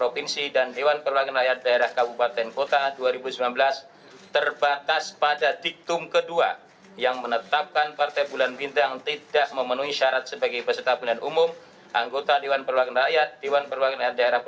menimbang bahwa pasal lima belas ayat satu pkpu no enam tahun dua ribu delapan belas tentang pendaftaran verifikasi dan pendatapan partai politik peserta pemilihan umum anggota dewan perwakilan rakyat daerah